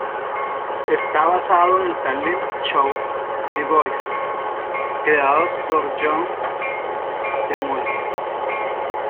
Está basado en el talent show The Voice creado por John de Mol.